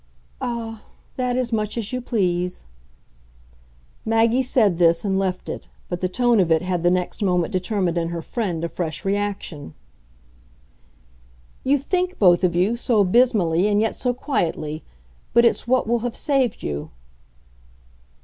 "Ah, that as much as you please!" Maggie said this and left it, but the tone of it had the next moment determined in her friend a fresh reaction. "You think, both of you, so abysmally and yet so quietly. But it's what will have saved you."